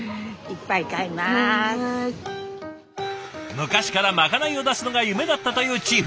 昔からまかないを出すのが夢だったというチーフ。